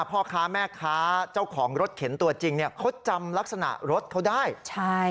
พ่อค้าแม่ค้าเจ้าของรถเข็นตัวจริงเนี่ยเขาจำลักษณะรถเขาได้ใช่